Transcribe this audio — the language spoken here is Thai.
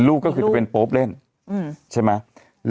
ลูกก็คือจะเป็นโป๊ปเล่นใช่ไหม